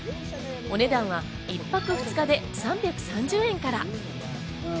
お値段は１泊２日で３３０円から。